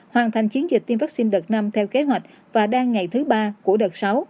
hoàn thành chiến dịch tiêm vaccine đợt năm theo kế hoạch và đang ngày thứ ba của đợt sáu